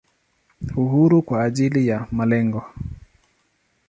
Uhuru kwa ajili ya malengo.